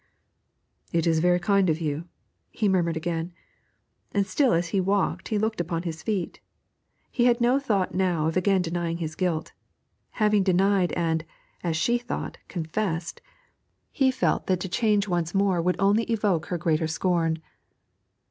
'It is very kind of you,' he murmured again; and still as he walked he looked upon his feet. He had no thought now of again denying his guilt; having denied and, as she thought, confessed, he felt that to change once more would only evoke her greater scorn.